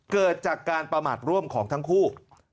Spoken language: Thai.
เกิดจากการประมาทร่วมของทั้งคู่